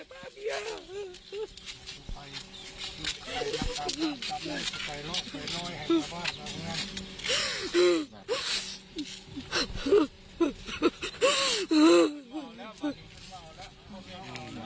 ไปโรคไปโรยให้กลับบ้านมาดูนะ